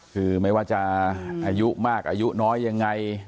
คือไม่ว่าจะอายุมากอายุน้อยยังไง